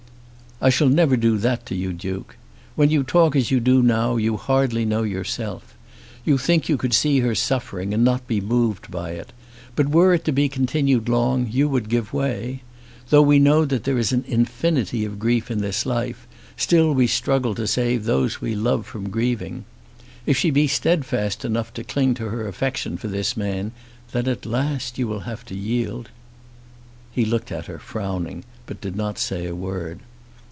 "I shall never do that to you, Duke. When you talk as you do now you hardly know yourself. You think you could see her suffering, and not be moved by it. But were it to be continued long you would give way. Though we know that there is an infinity of grief in this life, still we struggle to save those we love from grieving. If she be steadfast enough to cling to her affection for this man, then at last you will have to yield." He looked at her frowning, but did not say a word.